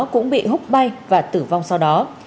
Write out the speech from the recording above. cũng bị hút bay và tử vong sau đó